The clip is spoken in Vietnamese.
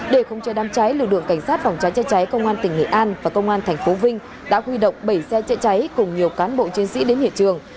để không cho đám cháy lực lượng cảnh sát vòng cháy chạy cháy công an tỉnh nghị an và công an tp vinh đã huy động bảy xe chạy cháy cùng nhiều cán bộ chiến sĩ đến hệ trường